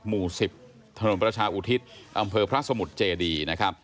หมู่๑๐ถนนประชาอุทิศอำเภอพระสมุทรเจดีนะครับ